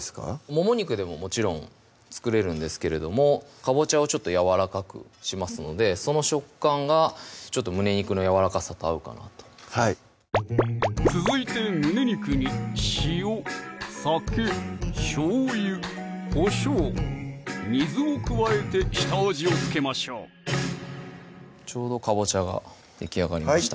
もも肉でももちろん作れるんですけれどもかぼちゃをちょっとやわらかくしますのでその食感がちょっと胸肉のやわらかさと合うかなと続いて胸肉に塩・酒・しょうゆ・こしょう・水を加えて下味を付けましょうちょうどかぼちゃができあがりました